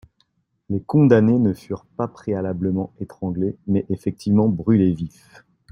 Les condamnés ne furent pas préalablement étranglés, mais effectivement brûlés vifs.